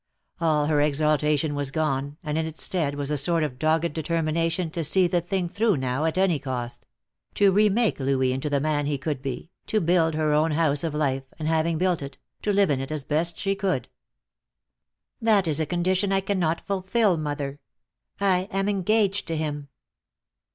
All her exaltation was gone, and in its stead was a sort of dogged determination to see the thing through now, at any cost; to re make Louis into the man he could be, to build her own house of life, and having built it, to live in it as best she could. "That is a condition I cannot fulfill, mother. I am engaged to him."